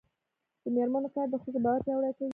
د میرمنو کار د ښځو باور پیاوړی کوي.